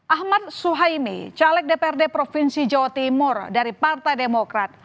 ahmad suhaini caleg dprd provinsi jawa timur dari partai demokrat